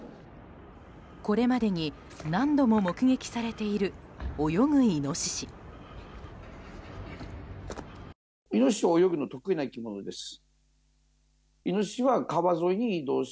これまでに何度も目撃されている、泳ぐイノシシ。